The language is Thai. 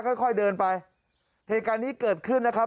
ค่อยค่อยเดินไปเหตุการณ์นี้เกิดขึ้นนะครับ